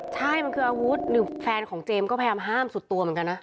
ใช่มันคืออาวุธหนึ่งแฟนของเจมส์ก็พยายามห้ามสุดตัวเหมือนกันนะ